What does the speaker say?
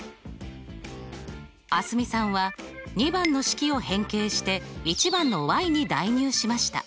蒼澄さんは２番の式を変形して１番のに代入しました。